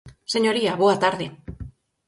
Señoría, boa tarde.